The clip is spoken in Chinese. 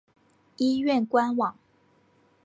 医院官网